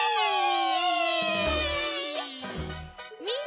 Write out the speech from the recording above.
みんな！